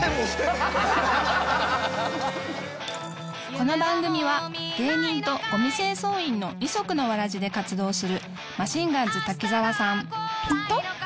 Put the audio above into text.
この番組は芸人とごみ清掃員の二足のわらじで活動するマシンガンズ滝沢さん